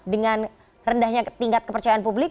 dengan rendahnya tingkat kepercayaan publik